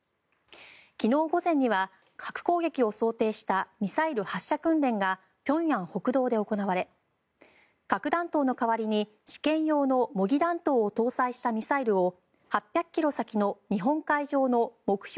昨日午前には核攻撃を想定したミサイル発射訓練が平安北道で行われ核弾頭の代わりに試験用の模擬弾頭を搭載したミサイルを８００ｋｍ先の日本海上の目標